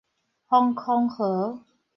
防空壕